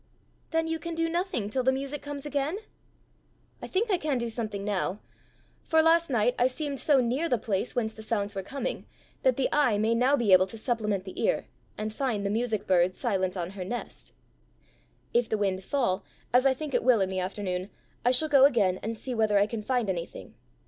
"Then you can do nothing till the music comes again?" "I think I can do something now; for, last night I seemed so near the place whence the sounds were coming, that the eye may now be able to supplement the ear, and find the music bird silent on her nest. If the wind fall, as I think it will in the afternoon, I shall go again and see whether I can find anything.